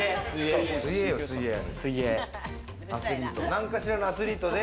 なんかしらのアスリートで。